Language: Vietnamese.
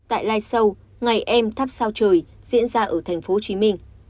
tại live show ngày em thắp sao trời diễn ra ở tp hcm